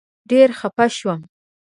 ډېر خپه شوم.